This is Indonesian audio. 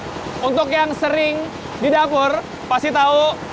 jadi untuk yang sering di dapur pasti tahu